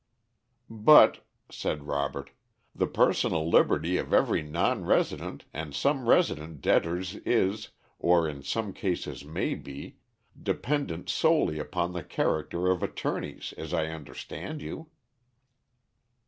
"But," said Robert, "the personal liberty of every non resident and some resident debtors is, or in some cases may be, dependent solely upon the character of attorneys, as I understand you."